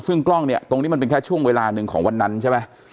ซึ่งกล้องเนี่ยตรงนี้มันเป็นแค่ช่วงเวลาหนึ่งของวันนั้นใช่ไหม